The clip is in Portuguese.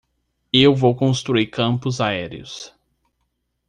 Eu vou construir campos aéreos.